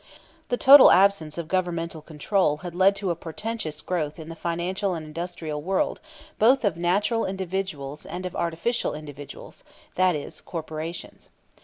The total absence of governmental control had led to a portentous growth in the financial and industrial world both of natural individuals and of artificial individuals that is, corporations.